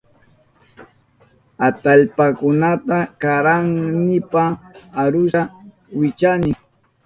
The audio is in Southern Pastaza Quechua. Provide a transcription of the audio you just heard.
Atallpakunata karanaynipa arusta wichani.